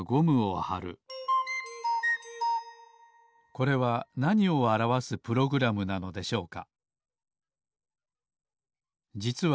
これはなにをあらわすプログラムなのでしょうか？